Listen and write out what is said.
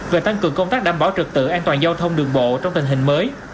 về tăng cường công tác đảm bảo trực tự an toàn giao thông đường bộ trong tình hình mới